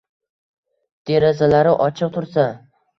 Derazalari ochiq tursa